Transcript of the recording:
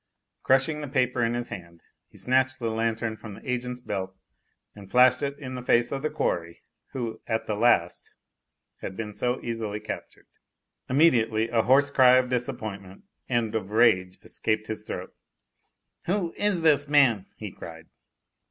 Crushing the paper in his hand he snatched the lantern from the agent's belt and flashed it in the face of the quarry who, at the last, had been so easily captured. Immediately a hoarse cry of disappointment and of rage escaped his throat. "Who is this man?" he cried.